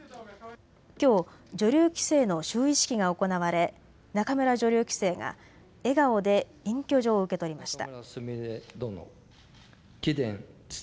きょう女流棋聖の就位式が行われ仲邑女流棋聖が笑顔でいん許状を受け取りました。